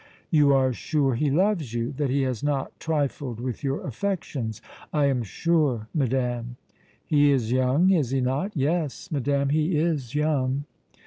"You are sure he loves you, that he has not trifled with your affections?" "I am sure, madame." "He is young, is he not?" "Yes, madame, he is young."